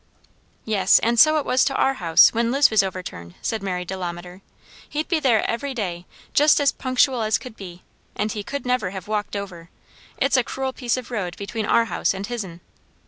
"Yes; and so it was to our house, when Liz was overturned," said Mary Delamater. "He'd be there every day, just as punctual as could be; and he could never have walked over. It's a cruel piece of road between our house and his'n."